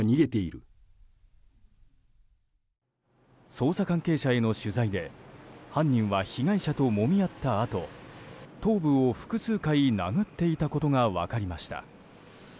捜査関係者への取材で犯人は、被害者ともみ合ったあと、頭部を複数回殴っていたことが分かりました。